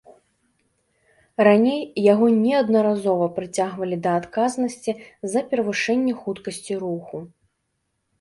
Раней яго неаднаразова прыцягвалі да адказнасці за перавышэнне хуткасці руху.